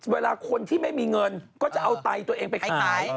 เวลาคนที่ไม่มีเงินก็จะเอาไตตัวเองไปขาย